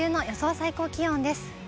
最高気温です。